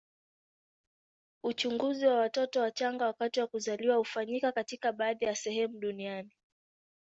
Uchunguzi wa watoto wachanga wakati wa kuzaliwa hufanyika katika baadhi ya sehemu duniani.